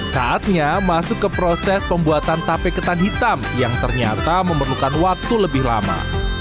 saatnya masuk ke proses pembuatan tape ketan hitam yang ternyata memerlukan waktu lebih lama